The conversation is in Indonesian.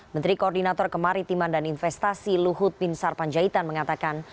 menteri koordinator kemaritiman dan investasi luhut bin sarpanjaitan mengatakan